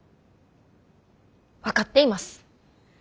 分かっています。